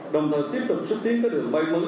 đồng thời tiếp tục xúc tiến các đường bay mới